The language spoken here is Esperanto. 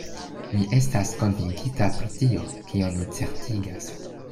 Mi estas konvinkita pri tio, kion mi certigas.